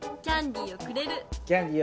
「キャンディーをくれる」。